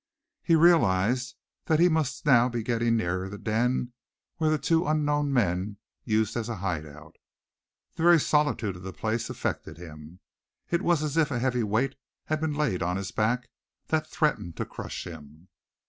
He realized that he must now be getting nearer the den where the two unknown men used as a hideout. The very solitude of the place affected him. It was as if a heavy weight had been laid on his back, that threatened to crush him.